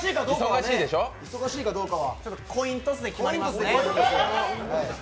忙しいかどうかはコイントスで決まりますね。